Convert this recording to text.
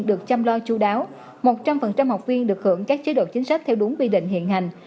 các trường đã chọn những giáo viên được chăm lo chú đáo một trăm linh học viên được hưởng các chế độ chính sách theo đúng vi định hiện hành